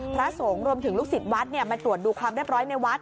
พระสงฆ์รวมถึงลูกศิษย์วัดมาตรวจดูความเรียบร้อยในวัด